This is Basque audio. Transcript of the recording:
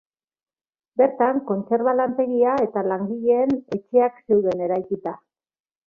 Bertan, kontserba-lantegia eta langileen etxeak zeuden eraikita.